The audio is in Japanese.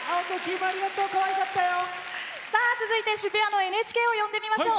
続いて渋谷のＮＨＫを呼んでみましょう。